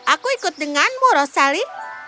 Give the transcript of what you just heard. aku ikut denganmu rosali